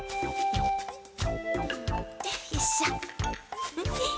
よいしょ。